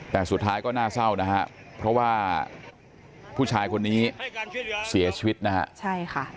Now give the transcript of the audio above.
แต่สุดท้ายก็น่าเศร้านะฮะเพราะว่าผู้ชายคนนี้เสียชีวิตนะฮะใช่ค่ะ